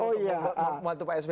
untuk membuat mantep asb